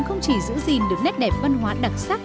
không chỉ giữ gìn được nét đẹp văn hóa đặc sắc